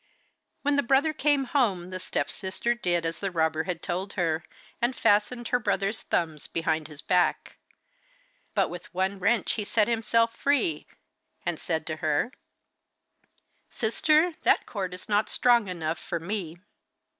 When the brother came home, the step sister did as the robber had told her, and fastened her brother's thumbs behind his back. But with one wrench he set himself free, and said to her, 'Sister, that cord is not strong enough for me.